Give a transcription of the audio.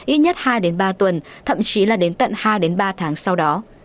ít nhất hai ba tuần thậm chí là đến tận hai ba tháng sau đó